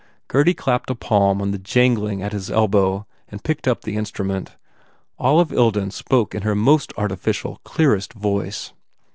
Gurdy clapped a palm on the jangling at his elbow and picked up the instru ment. Olive Ilden spoke in her most artificial, clearest voice.